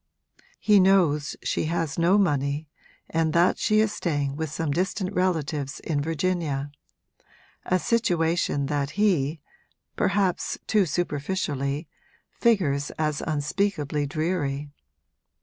He knows she has no money and that she is staying with some distant relatives in Virginia; a situation that he perhaps too superficially figures as unspeakably dreary.